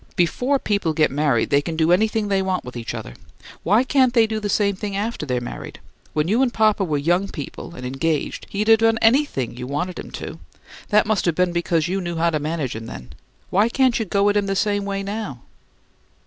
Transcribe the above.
"Before people get married they can do anything they want to with each other. Why can't they do the same thing after they're married? When you and papa were young people and engaged, he'd have done anything you wanted him to. That must have been because you knew how to manage him then. Why can't you go at him the same way now?"